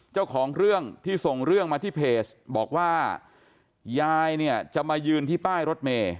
เจ้าของเรื่องที่ส่งเรื่องมาที่เพจบอกว่ายายเนี่ยจะมายืนที่ป้ายรถเมย์